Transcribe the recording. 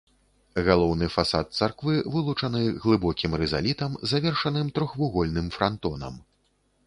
Галоўны фасад царквы вылучаны глыбокім рызалітам, завершаным трохвугольным франтонам.